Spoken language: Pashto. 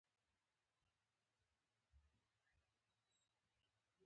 د ګندنه ګل د څه لپاره وکاروم؟